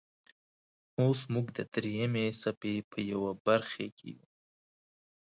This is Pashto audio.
اوس موږ د دریمې څپې په یوه برخې کې یو.